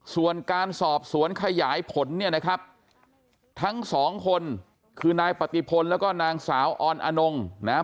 ส่วนการสอบสวนขยายผลเนี่ยนะครับทั้งสองคนคือนายปฏิพลแล้วก็นางสาวออนอนงนะฮะ